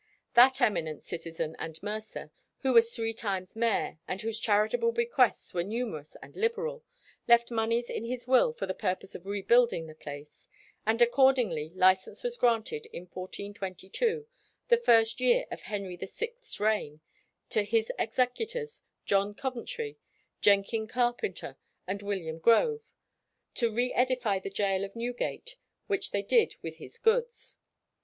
That eminent citizen and mercer, who was three times mayor, and whose charitable bequests were numerous and liberal, left moneys in his will for the purpose of rebuilding the place, and accordingly license was granted in 1422, the first year of Henry VI's reign, to his executors, John Coventre, Jenken Carpenter, and William Grove, "to reëdify the gaol of Newgate, which they did with his goods."